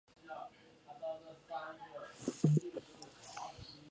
它表示了一个标准观测者在亮度比较高的环境条件下所表现出来的观测能力。